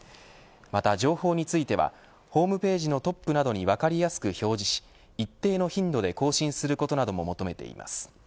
また情報についてはホームページのトップなどに分かりやすく表示し一定の頻度で更新することなども求めています。